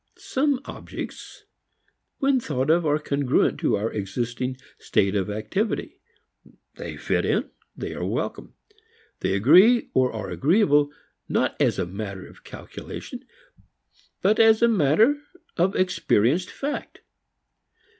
Some objects when thought of are congruent to our existing state of activity. They fit in, they are welcome. They agree, or are agreeable, not as matter of calculation but as matter of experienced fact.